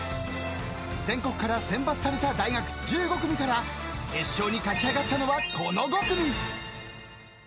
［全国から選抜された大学１５組から決勝に勝ち上がったのはこの５組］